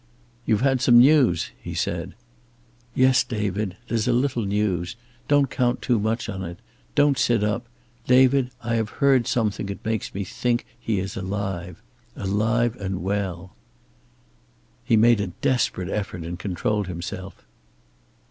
"You've had some news," he said. "Yes, David. There's a little news. Don't count too much on it. Don't sit up. David, I have heard something that makes me think he is alive. Alive and well." He made a desperate effort and controlled himself.